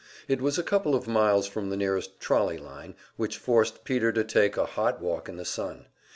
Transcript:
It was a couple of miles from the nearest trolley line, which forced Peter to take a hot walk in the sun.